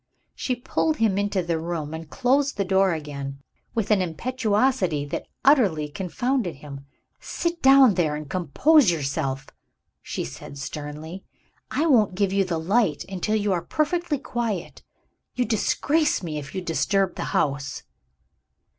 She pulled him into the room and closed the door again, with an impetuosity that utterly confounded him. "Sit down there, and compose yourself!" she said sternly. "I won't give you the light until you are perfectly quiet. You disgrace me if you disturb the house."